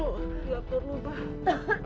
ya perlu pak